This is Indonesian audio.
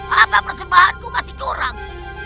apa persembahanku masih kurang